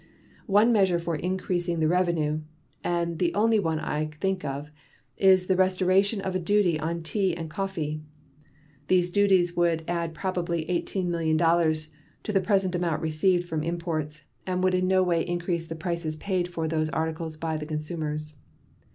One measure for increasing the revenue and the only one I think of is the restoration of the duty on tea and coffee. These duties would add probably $18,000,000 to the present amount received from imports, and would in no way increase the prices paid for those articles by the consumers.